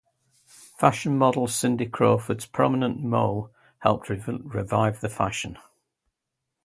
Fashion model Cindy Crawford's prominent mole helped revive the fashion.